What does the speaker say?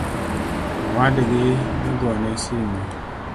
Owadgi nogone sime